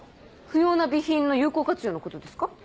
不要な備品の有効活用のことですか？